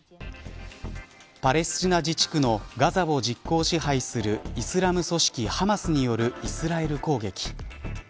パレスチナ自治区のガザを実行支配するイスラム組織ハマスによるイスラエル攻撃。